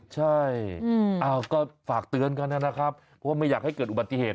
ใช่ก็ฝากเตือนกันนะครับเพราะว่าไม่อยากให้เกิดอุบัติเหตุ